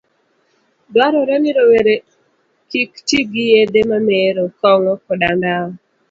Dwarore ni rowere kik ti gi yedhe mamero, kong'o, koda ndawa